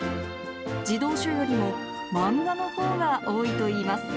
児童書よりも、漫画のほうが多いといいます。